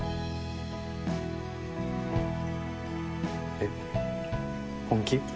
えっ本気？